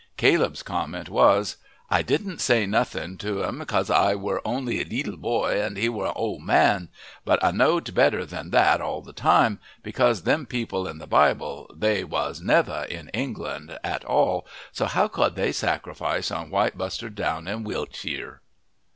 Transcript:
Caleb's comment was: "I didn't say nothing to un because I were only a leetel boy and he were a old man; but I knowed better than that all the time, because them people in the Bible they was never in England at all, so how could they sacrifice on White Bustard Down in Wiltsheer?"